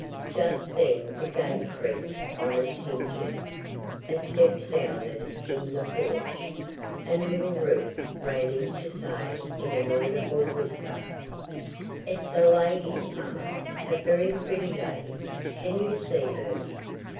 Just then the gate creaked on its hinges, a step sounded in the porch, and little Ruth ran in to say in an audible whisper: "It's a lady, mamma, a very pretty lady: can you see her?"